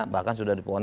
bahkan sudah diponis ada